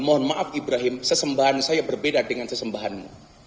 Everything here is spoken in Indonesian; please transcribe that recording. mohon maaf ibrahim sesembahan saya berbeda dengan sesembahanmu